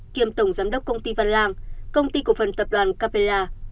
kiêm tổng giám đốc công ty văn lang công ty cổ phần tập đoàn capella